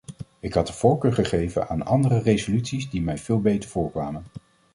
Ik had de voorkeur gegeven aan andere resoluties die mij veel beter voorkwamen.